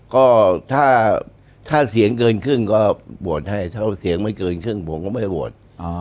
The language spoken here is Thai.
ก็ถ้าเสียงเกินครึ่งก็โหวตให้ถ้าเสียงไม่เกินครึ่งผมก็ไม่โหวต